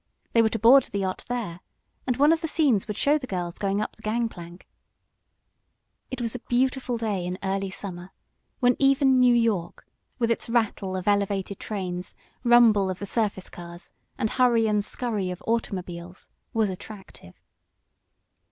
They were to board the yacht there, and one of the scenes would show the girls going up the gang plank. It was a beautiful day in early summer, when even New York, with its rattle of elevated trains, rumble of the surface cars and hurry and scurry of automobiles, was attractive.